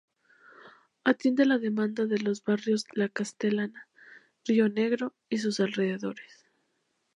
Atiende la demanda de los barrios La Castellana, Rionegro y sus alrededores.